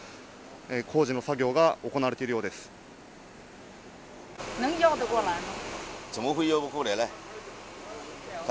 工事の作業が行われているようです。